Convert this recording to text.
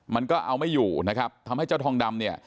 มันก็เอาไม่อยู่นะครับทำให้เจ้าทองดำเนี่ย